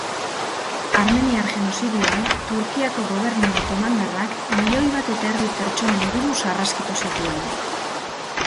Armeniar genozidioan Turkiako gobernu otomandarrak milioi bat eta erdi pertsona inguru sarraskitu zituen.